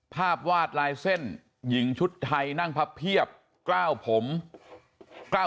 ภาพวาดลายเส้นหญิงชุดไทยนั่งพะเพียบก้าวผมม่วยพันต